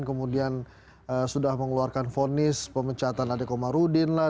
kemudian sudah mengeluarkan vonis pemecatan adek komarudin lah